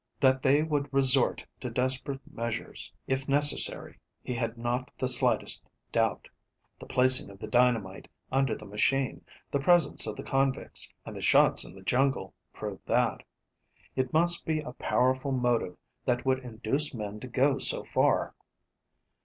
That they would resort to desperate measures, if necessary, he had not the slightest doubt. The placing of the dynamite under the machine, the presence of the convicts, and the shots in the jungle, proved that. It must be a powerful motive that would induce men to go so far.